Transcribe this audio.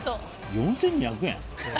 ４２００円？